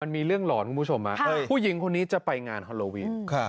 มีเรื่องหลอนคุณผู้ชมผู้หญิงคนนี้จะไปงานฮอลโลวีน